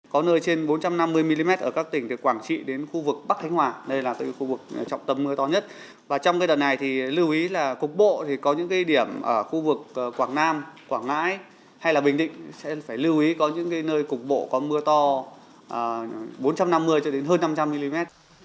có nơi trên bốn trăm năm mươi mm ở các tỉnh từ quảng trị đến khu vực bắc khánh hòa đây là khu vực trọng tâm mưa to nhất và trong đợt này thì lưu ý là cục bộ thì có những điểm ở khu vực quảng nam quảng ngãi hay là bình định sẽ phải lưu ý có những nơi cục bộ có mưa to bốn trăm năm mươi cho đến hơn năm trăm linh mm